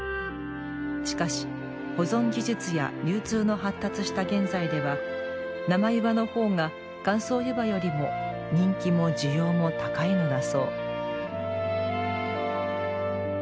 しかし、保存技術や流通の発達した現在では生湯葉のほうが乾燥湯葉よりも人気も需要も高いのだそう。